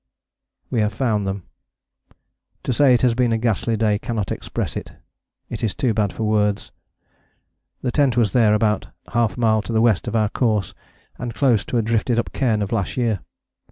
_ We have found them to say it has been a ghastly day cannot express it it is too bad for words. The tent was there, about half a mile to the west of our course, and close to a drifted up cairn of last year.